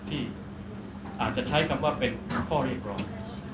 ที่อาจจะใช้คำว่าเป็นข้อเรียกร้อง